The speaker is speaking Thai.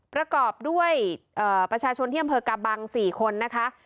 ประกอบด้วยประชาชนที่อำเภอกาบัง๔คนนะคะ